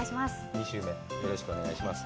２週目よろしくお願いします